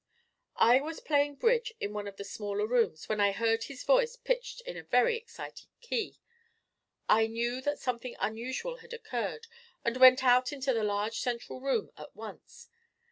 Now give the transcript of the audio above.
"I was playing bridge in one of the smaller rooms when I heard his voice pitched in a very excited key. I knew that something unusual had occurred, and went out into the large central room at once.